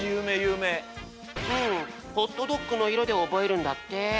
うんホットドッグのいろで覚えるんだって。